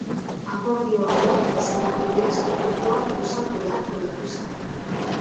Akordioa lortu ezean, iazko kontuak luzatu beharko dituzte.